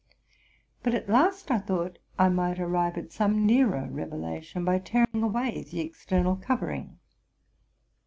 But at last I thought I might arrive at some nearer revelation by tearing away the external covering.